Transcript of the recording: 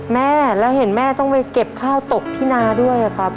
แม่แล้วเห็นแม่ต้องไปเก็บข้าวตกที่นาด้วยครับ